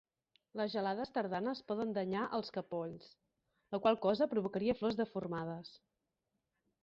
Les gelades tardanes poden danyar els capolls, la qual cosa provocaria flors deformades.